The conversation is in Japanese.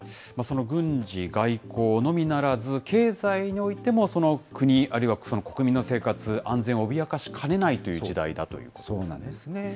その軍事、外交のみならず、経済においても国、あるいは国民の生活、安全を脅かしかねないという時代だということですね。